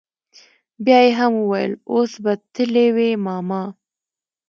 بيا يې هم وويل اوس به تلي وي ماما.